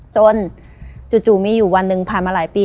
จู่มีอยู่วันหนึ่งผ่านมาหลายปี